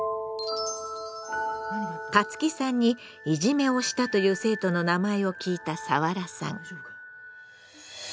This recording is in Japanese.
タツキさんにいじめをしたという生徒の名前を聞いたサワラさん。